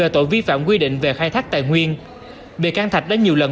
tại nguyên bệ can thạch đã nhiều lần